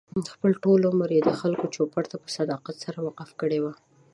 خپل ټول عمر یې د خلکو چوپـړ ته په صداقت سره وقف کړی و.